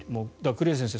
栗原先生